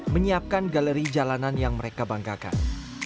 menyiapkan galeri jalanan yang mereka banggakan